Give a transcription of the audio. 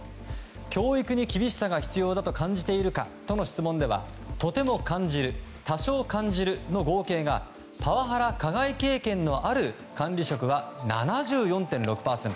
教育に厳しさが必要と感じているかとの質問ではとても感じる多少感じるの合計がパワハラ加害経験のある管理職は７４．６％。